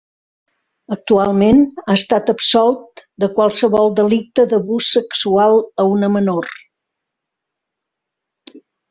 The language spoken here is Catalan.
Actualment ha estat absolt de qualsevol delicte d'abús sexual a una menor.